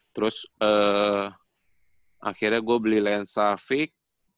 terus akhirnya gua beli lensa fic